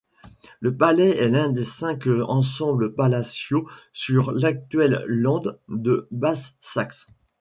Le palais est l'un des cinq ensembles palatiaux dans l'actuel land de Basse-Saxe.